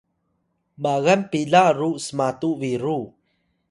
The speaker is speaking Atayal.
magan pila ru smatu biru